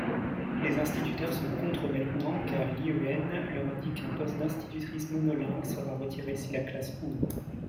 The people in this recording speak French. les instituteurs sont contre maintenant car l'IEN leur a dit qu'un poste d'institutrice monolingue sera retiré si la classe ouvre.